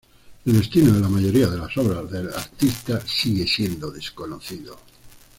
El destino de la mayoría de las obras del artista sigue siendo desconocido.